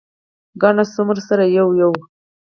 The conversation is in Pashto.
ګڼه څومره سره یو یو.